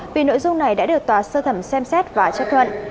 vì nội dung này đã được tòa sơ thẩm xem xét và chấp thuận